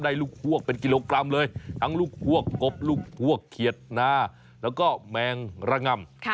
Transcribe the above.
ลูกพวกเป็นกิโลกรัมเลยทั้งลูกควกกบลูกพวกเขียดนาแล้วก็แมงระง่ำ